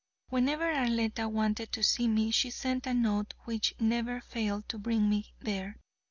Whenever Arletta wanted to see me she sent a note which never failed to bring me there.